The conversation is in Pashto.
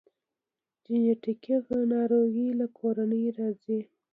جنیټیکي ناروغۍ له کورنۍ راځي